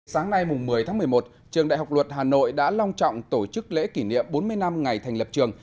sáng nay một mươi tháng một mươi một trường đại học luật hà nội đã long trọng tổ chức lễ kỷ niệm bốn mươi năm ngày thành lập trường